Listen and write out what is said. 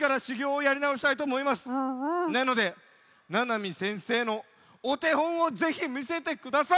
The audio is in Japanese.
なのでななみせんせいのおてほんをぜひみせてください！